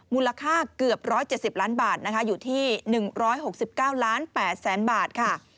มูลค่าเกือบ๑๗๐ล้านบาทนะคะอยู่ที่๑๖๙ล้าน๘แสนบาทค่ะ